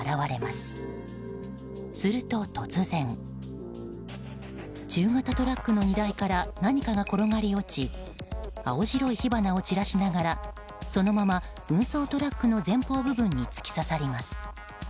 すると、突然中型トラックの荷台から何かが転がり落ち青白い火花を散らしながらそのまま運送トラックの前方部分に突き刺さります。